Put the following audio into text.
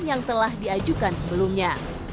yang telah diajukan sebelumnya